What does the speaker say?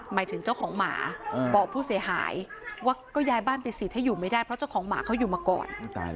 หมายถึงเจ้าของหมาบอกผู้เสียหายว่าก็ย้ายบ้านไปสิถ้าอยู่ไม่ได้เพราะเจ้าของหมาเขาอยู่มาก่อน